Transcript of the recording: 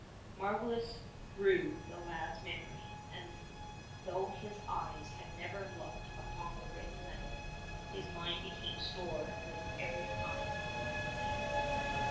Marvellous grew the lad's memory, and though his eyes had never looked upon the written letter his mind became stored with every kind of knowledge.